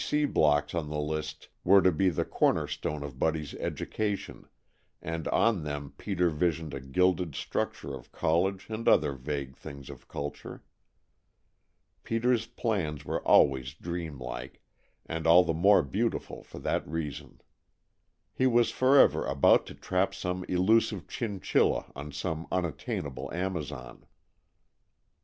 B. C. blocks on the list were to be the cornerstone of Buddy's education, and on them Peter visioned a gilded structure of college and other vague things of culture. Peter's plans were always dreamlike, and all the more beautiful for that reason. He was forever about to trap some elusive chinchilla on some unattainable Amazon.